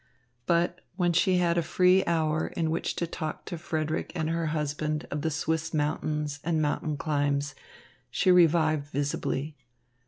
But when she had a free hour in which to talk to Frederick and her husband of the Swiss mountains and mountain climbs, she revived visibly.